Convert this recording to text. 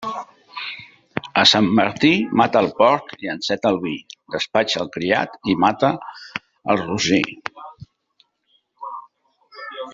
A Sant Martí, mata el porc i enceta el vi, despatxa el criat i mata el rossí.